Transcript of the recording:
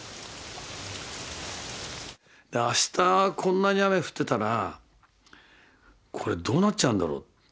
あしたこんなに雨降ってたらこれどうなっちゃうんだろう。